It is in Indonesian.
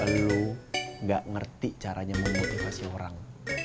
lu gak ngerti caranya memotivasi orang